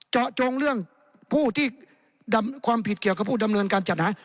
เจาะจงเรื่องผู้ที่ความผิดเกี่ยวกับผู้ดำเนินการจัดหา